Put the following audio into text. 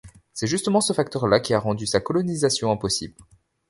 C'est justement ce facteur-là qui a rendu sa colonisation impossible.